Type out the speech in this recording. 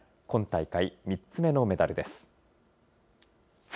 今大会３つ目のメダルです。